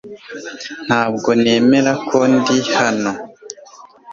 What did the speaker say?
Ntabwo nemera ko ndi hano